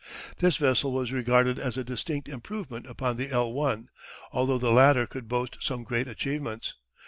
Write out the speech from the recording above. This vessel was regarded as a distinct improvement upon the "L I," although the latter could boast some great achievements.